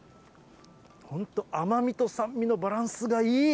本当、甘みと酸味のバランスがいい。